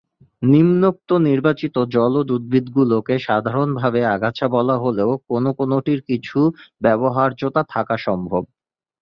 নিম্নোক্ত নির্বাচিত জলজ উদ্ভিদগুলিকে সাধারণভাবে ‘আগাছা’ বলা হলেও কোনো কোনোটির কিছু ব্যবহার্যতা থাকা সম্ভব।